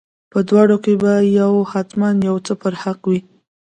په دواړو کې به یو حتما یو څه پر حق وي.